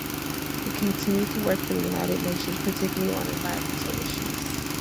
He continued to work for the United Nations, particularly on environmental issues.